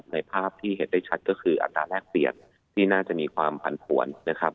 ภาพที่เห็นได้ชัดก็คืออัตราแรกเปลี่ยนที่น่าจะมีความผันผวนนะครับ